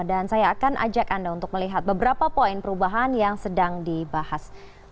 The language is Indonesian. dan saya akan ajak anda untuk melihat beberapa poin perubahan yang sedang dibahas